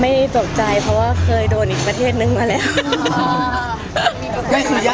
ไม่ตกใจเพราะว่าเคยโดนอีกประเทศนึงมาแล้ว